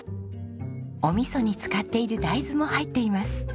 お味噌に使っている大豆も入っています。